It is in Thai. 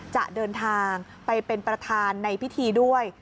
จะเดินทางไปเป็นประธานในพิธีด้วย